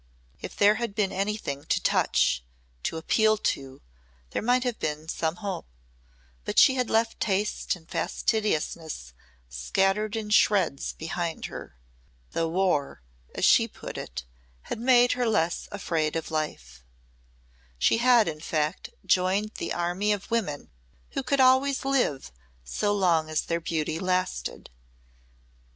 If there had been anything to touch, to appeal to, there might have been some hope, but she had left taste and fastidiousness scattered in shreds behind her. The War, as she put it, had made her less afraid of life. She had in fact joined the army of women who could always live so long as their beauty lasted.